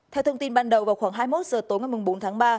theo thông tin ban đầu vào khoảng hai mươi một h tối ngày bốn tháng ba